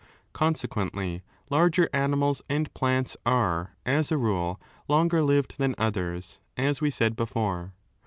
3 Consequently, larger animals and plants are, as a rule, longer lived than others, as we said before.